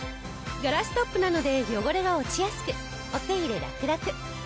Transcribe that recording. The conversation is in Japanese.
ガラストップなので汚れが落ちやすくお手入れラクラク。